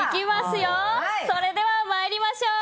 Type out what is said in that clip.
それでは参りましょう。